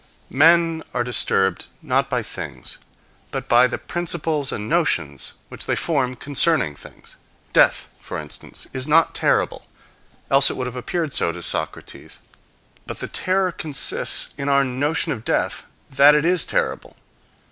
Men are disturbed, not by things, but by the principles and notions which they form concerning things. Death, for instance, is not terrible, else it would have appeared so to Socrates. But the terror consists in our notion of death that it is terrible.